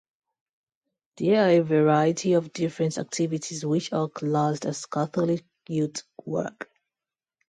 There are a variety of different activities which are classed as Catholic youth work.